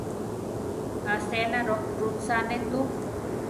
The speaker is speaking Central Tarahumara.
Asénaro rutzane tú.